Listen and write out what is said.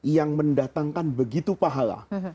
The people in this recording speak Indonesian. yang mendatangkan begitu pahala